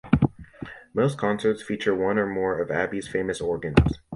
Most concerts feature one or more of the Abbey's famous organs.